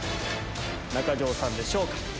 中条さんでしょうか？